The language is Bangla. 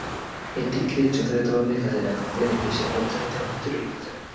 এটিকে যথাযথভাবে কাজে লাগানো গেলে দেশের অর্থনীতি অনেক দূর এগিয়ে যাবে।